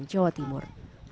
di jawa timur